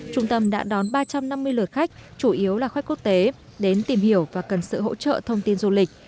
trung tâm đã đón ba trăm năm mươi lượt khách chủ yếu là khách quốc tế đến tìm hiểu và cần sự hỗ trợ thông tin du lịch